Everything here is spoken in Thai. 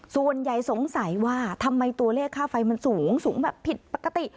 ส่วนใหญ่สงสัยว่าทำไมตัวเลขค่าไฟมันสูงสูงแบบผิดปกติ